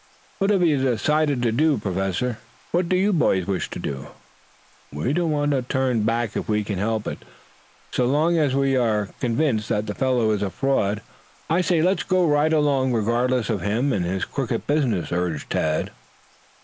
"What have you decided to do, Professor?" "What do you boys wish to do?" "We don't want to be turned back if we can help it. So long as we are convinced that the fellow is a fraud, I say let's go right along regardless of him and his crooked business," urged Tad.